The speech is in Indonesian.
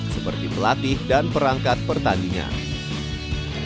seperti pelatih dan perangkat pertandingan